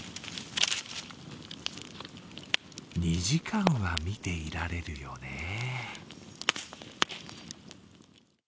２時間は見ていられるよね。